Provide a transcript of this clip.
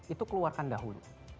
itu keluarkan dahulu